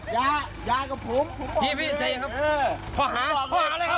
อย่าอย่ากับผมพี่พี่ใจครับขอหาขอหาอะไรครับ